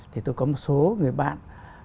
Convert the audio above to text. thì tôi có một số người bạn